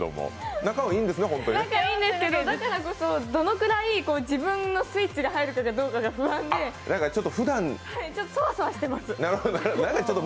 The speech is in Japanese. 仲がいいからこそ、どのくらい自分のスイッチが入るかが不安で、そわそわしてます。